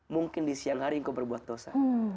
mungkin di siang hari engkau berbuat dosa